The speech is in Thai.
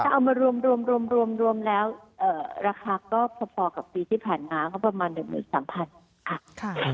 เอามารวมแล้วราคาก็พอกับปีที่ผ่านมาก็ประมาณ๑๓๐๐บาท